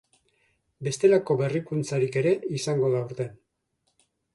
Bestelako berrikuntzarik ere izango da aurten.